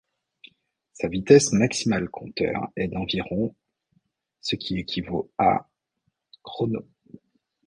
Sa vitesse maximale compteur est d'environ ce qui équivaut à chrono.